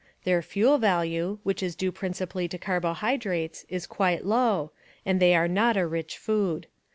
Their fuel value, which is due principally to carbohydrates, is quite low, and they are not a rich food.